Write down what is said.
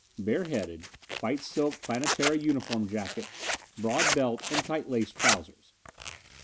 Bareheaded, white silk Planetara uniform jacket, broad belt and tight laced trousers.